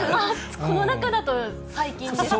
この中だと最近ですね。